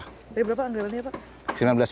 dari berapa anggarannya pak